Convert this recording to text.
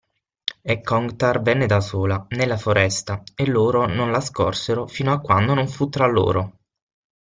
E Kog'Tar venne da sola, nella foresta, e loro non la scorsero fino a quando non fu tra loro.